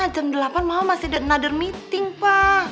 jam delapan mama masih ada another meeting pa